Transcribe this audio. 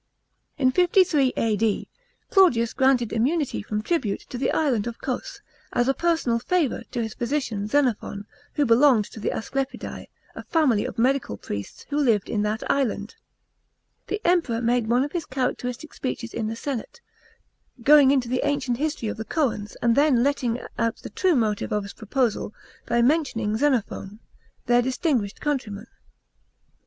In 53 A.D., Claudius granted immunity from tribute to the island 244 THE PRINCIPATE OP CLAUDIUS. CHAP, xv of Cos, as a personal favour to his physician Xenophon, who belonged to the Asclepiadse, a family of medical priests, who lived in that island. The Emperor made one of his characteristic speeches in the senate, going into the ancient history of the Coans, and then letting out the true motive of his proposal by mentioning: Xenophon, their distinguished countryman.